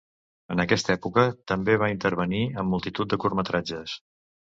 En aquesta època també va intervenir en multitud de curtmetratges.